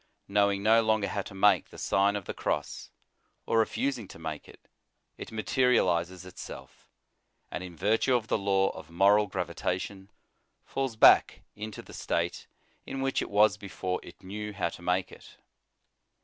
Knowing no longer how to make the Sign of the Cross, or refusing to make it, it materializes itself, and in virtue of the law of moral gravitation, falls back into the state in which it was before it knew how to make it.